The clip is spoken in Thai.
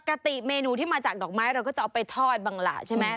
ปกติเมนูที่มาจากดอกไม้เราก็จะเอาไปทอดบ้างล่ะใช่ไหม